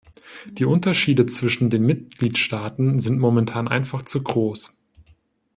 Die Unterschiede zwischen den Mitgliedstaaten sind momentan einfach zu groß.